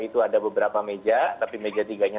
itu ada beberapa meja tapi meja tiganya